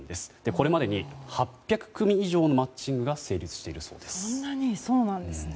これまでに８００組以上のマッチングが成立しているそうです。